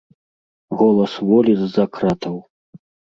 Голас волі з-за кратаў.